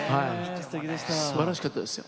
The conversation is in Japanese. すばらしかったですよ。